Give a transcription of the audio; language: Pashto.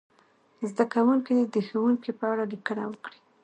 زده کوونکي دې د ښوونکي په اړه لیکنه وکړي.